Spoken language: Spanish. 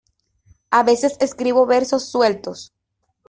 A veces escribo versos sueltos.